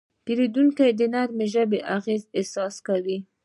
پیرودونکی د نرمې ژبې اغېز حس کوي.